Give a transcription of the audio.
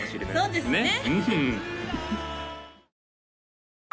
そうですね